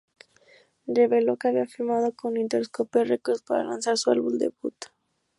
Reveló que había firmado con Interscope Records para lanzar su álbum debut.